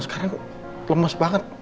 sekarang lemas banget